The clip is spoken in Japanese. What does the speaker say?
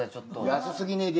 「安すぎねえけ？」